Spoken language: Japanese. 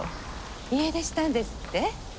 家出したんですって？